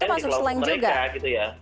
yang di kelompok mereka gitu ya